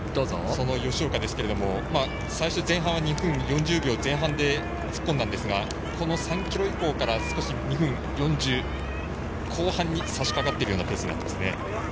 吉岡ですけども最初、２分４０秒前半で突っ込んだんですがこの３ｋｍ以降から少し２分４０後半にさしかかっているペースですね。